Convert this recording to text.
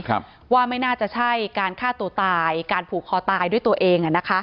อันนี้เลยคำว่าไม่น่าจะใช่การฆ่าตัวตายการผูกคอตายด้วยตัวเอง